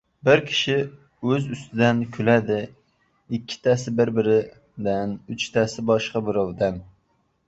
• Bir kishi o‘z ustidan kuladi, ikkitasi — bir-biridan, uchtasi — boshqa birovdan.